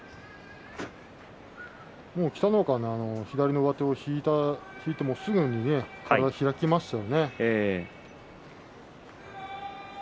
もう北の若の左の上手を引いてすぐに開きますよね。